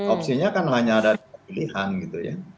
opsinya kan hanya ada dua pilihan gitu ya